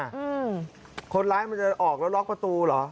อืมคนร้ายมันจะออกแล้วล็อกประตูเหรอ